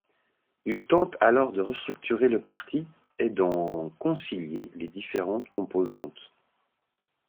Il tente alors de restructurer le parti et d'en concilier les différentes composantes.